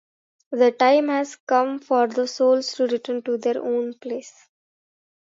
The time has come for the souls to return to their own place.